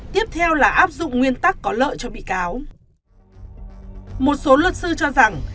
tiếp theo là áp dụng nguyên tắc có lợi cho bị cáo một số luật sư cho rằng